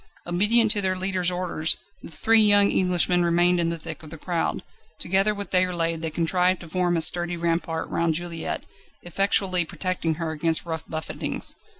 Obedient to their leader's orders the three young Englishmen remained in the thick of the crowd: together with Déroulède they contrived to form a sturdy rampart round Juliette, effectually protecting her against rough buffetings.